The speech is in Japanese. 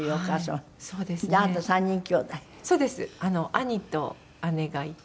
兄と姉がいてはい。